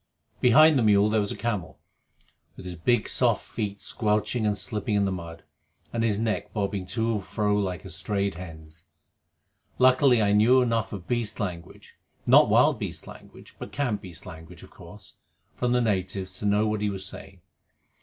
Behind the mule there was a camel, with his big soft feet squelching and slipping in the mud, and his neck bobbing to and fro like a strayed hen's. Luckily, I knew enough of beast language not wild beast language, but camp beast language, of course from the natives to know what he was saying.